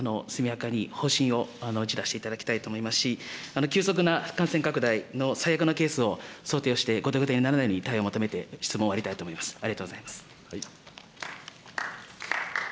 速やかに方針を打ち出していただきたいと思いますし、急速な感染拡大の最悪なケースを想定をして、後手後手にならないように対応を求めて、質問を終わりたいと思います。